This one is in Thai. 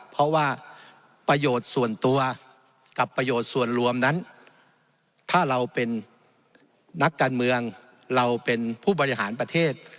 เพราะว่าประโยชน์ส่วนตัวกับประโยชน์ส่วนรวมนั้นถ้าเราเป็นนักการเมืองเราเป็นผู้บริหารประเทศ